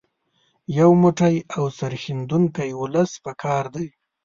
یو موټی او سرښندونکی ولس په کار دی.